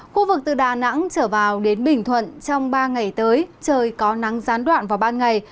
khu vực từ đà nẵng trở vào đến bình thuận trong ba ngày tới trời có nắng gián đoạn vào ban ngày